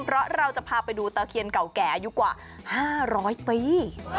เพราะเราจะพาไปดูตะเคียนเก่าแก่อายุกว่า๕๐๐ปี